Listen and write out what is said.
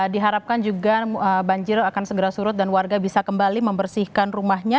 diharapkan juga banjir akan segera surut dan warga bisa kembali membersihkan rumahnya